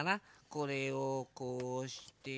これをこうして。